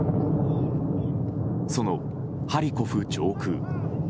そのハリコフ上空。